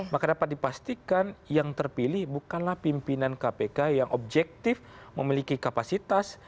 maka dapat dipastikan yang terpilih bukanlah pimpinan kpk yang objektif memiliki kapasitas